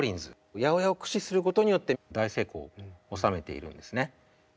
８０８を駆使することによって大成功を収めているんですね。